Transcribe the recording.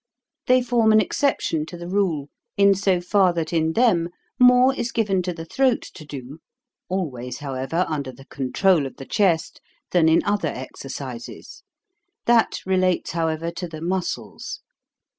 They form an exception to the rule in so far that in them more is given to the throat to do always, however, under the control of the chest than in other exercises. That relates, however, to the muscles.